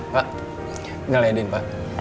pak enggak layanin pak